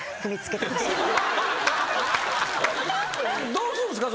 どうするんですか？